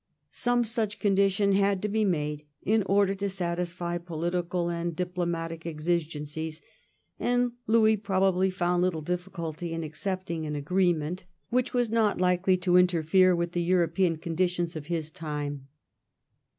Some such condition had to be made in order to satisfy poli tical and diplomatic exigencies, and Louis probably found little difficulty in accepting an agreement 1713 THE DrVlSIO]^ OF STATES. 131 which was not likely to interfere with the European conditions of his time.